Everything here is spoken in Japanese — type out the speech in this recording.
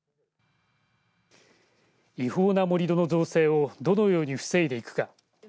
違法な盛り土の造成をどのように防いでいくか。